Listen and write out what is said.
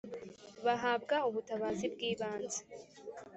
bahabwa ubutabazi bw’ ibanze